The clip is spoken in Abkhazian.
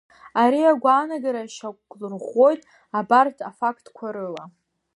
Ари агәаанагара шьақә-лырӷәӷәоит абарҭ афактқәа рыла…